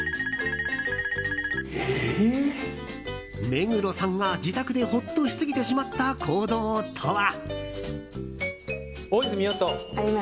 目黒さんが自宅でほっとしすぎてしてしまった行動とは？